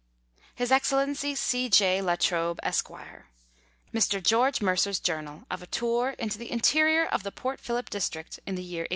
His Excellency C. J. La Trobe, Esq. Mr. George Mercer's Journal of a tour into the interior of the Port Phillip District in the year 1838.